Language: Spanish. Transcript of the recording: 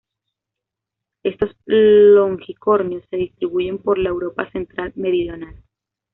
Estos longicornios se distribuyen por la Europa central-meridional.